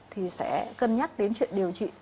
thì sẽ cân nhắc đến chuyện điều trị